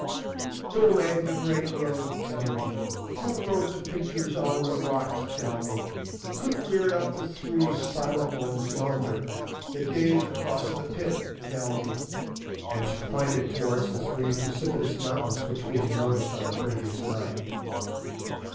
Who made the great road, tell me? Who wrote the pictures on the rocks, tell me? Who reared up the three Silent Ones yonder, that gaze across the pit, tell me?" and she pointed towards the three precipitous mountains which we had noticed on the previous night.